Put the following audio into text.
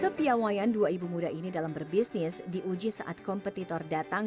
kepiawayan dua ibu muda ini dalam berbisnis diuji saat kompetitor datang